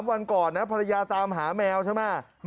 วันก่อนนะภรรยาตามหาแมวใช่ไหม